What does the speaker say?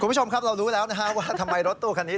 คุณผู้ชมครับเรารู้แล้วนะฮะว่าทำไมรถตู้คันนี้